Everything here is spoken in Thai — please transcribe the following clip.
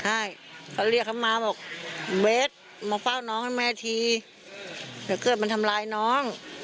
ใช่เขาเรียกทำมาบอกเว้ยมาเฝ้าน้องด้วยแม่ที่เหลือกือบเปิดมันทำลายน้อง